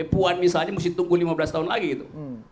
puan misalnya mesti tunggu lima belas tahun lagi itu